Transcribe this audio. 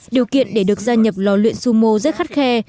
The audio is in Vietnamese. điều kiện để được gia nhập lò luyện sumo rất khắt khe